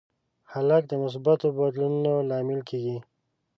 هلک د مثبتو بدلونونو لامل کېږي.